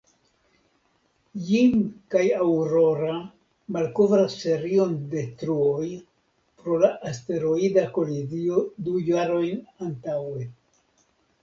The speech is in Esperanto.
Jim kaj Aurora malkovras serion de truoj pro la asteroida kolizio du jarojn antaŭe.